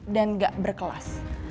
dan gak berkelas